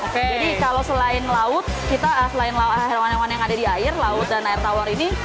jadi kalau selain laut kita selain hewan hewan yang ada di air laut dan air tawar ini